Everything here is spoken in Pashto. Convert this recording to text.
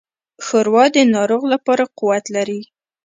ښوروا د ناروغ لپاره قوت لري.